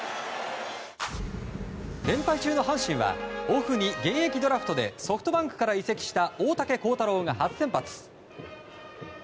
連敗中の阪神はオフに現役ドラフトでソフトバンクから移籍した大竹耕太郎が初先発。